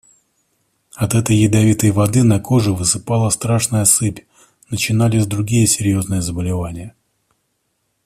От этой ядовитой воды на коже высыпала страшная сыпь, начинались другие серьезные заболевания.